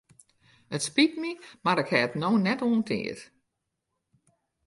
It spyt my mar ik ha it no net oan tiid.